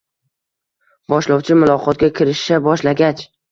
Boshlovchi muloqotga kirisha boshlagach